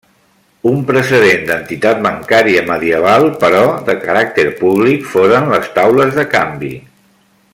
Un precedent d'entitat bancària medieval, però de caràcter públic, foren les taules de canvi.